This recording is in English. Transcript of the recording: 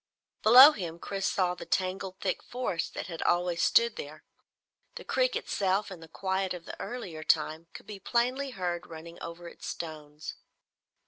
Below him, Chris saw the tangled thick forests that had always stood there. The creek itself, in the quiet of this earlier time, could be plainly heard running over its stones.